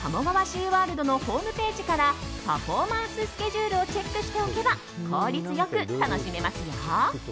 シーワールドのホームページからパフォーマンススケジュールをチェックしておけば効率良く楽しめますよ。